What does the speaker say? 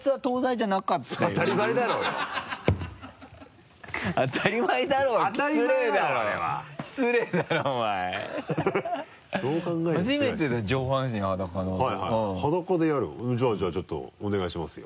じゃあちょっとお願いしますよ。